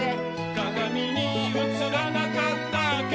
「かがみにうつらなかったけど」